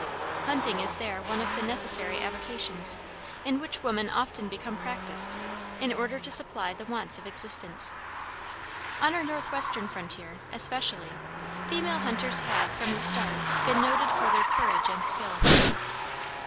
Hunting is there one of the necessary avocations, in which women often become practiced, in order to supply the wants of existence. On our northwestern frontier, especially, female hunters have, from the start, been noted for their courage and skill.